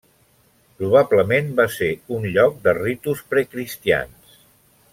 Probablement va ser un lloc de ritus precristians.